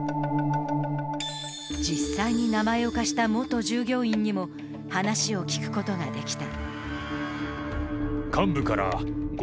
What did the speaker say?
実際に名前を貸した元従業員にも話を聞くことができた。